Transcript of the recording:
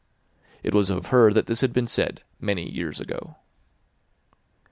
It was of her that this had been said many years ago.